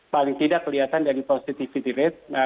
paling tidak kelihatan dari positivity rate